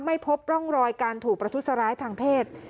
ไม่พบร่องรอยการถูกประทุษร้ายทางเพศ